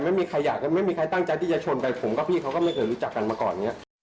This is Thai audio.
ไม่มีใครต้องฉนต์จะชนไว้ผมกับพี่เขาก็ไม่เคยรู้จักกันมาก่อน